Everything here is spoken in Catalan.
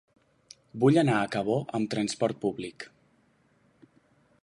Vull anar a Cabó amb trasport públic.